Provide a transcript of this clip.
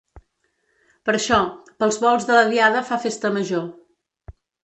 Per això, pels volts de la diada fa festa major.